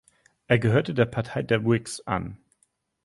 Er gehörte der Partei der Whigs an.